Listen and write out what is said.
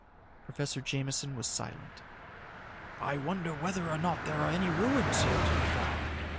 Professor Jameson was silent. "I wonder whether or not there are any ruins here to be found?"